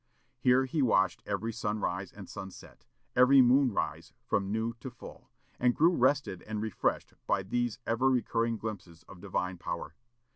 Here he watched every sunrise and sunset, every moonrise from new to full, and grew rested and refreshed by these ever recurring glimpses of divine power.